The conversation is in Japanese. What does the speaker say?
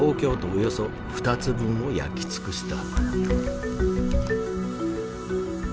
およそ２つ分を焼き尽くした。